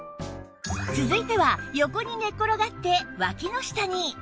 続いては横に寝転がってわきの下に